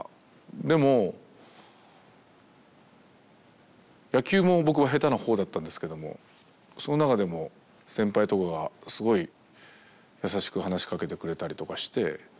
でも野球も僕は下手な方だったんですけどもその中でも先輩とかがすごい優しく話しかけてくれたりとかして。